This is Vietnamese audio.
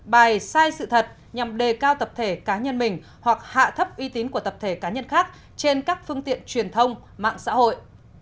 bài sai sự thật nhằm đề cao tập thể cá nhân mình hoặc hạ thấp uy tín của tập thể cá nhân khác trên các phương tiện truyền thông mạng xã hội